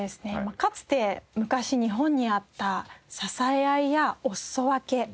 かつて昔日本にあった支え合いやおすそ分け。